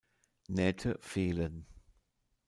Nähte fehlen.